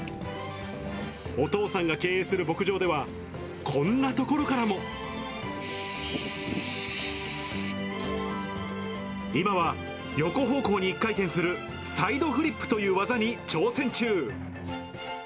お父さんが経営する牧場では、こんな所からも。今は横方向に１回転するサイドフリップという技に挑戦中。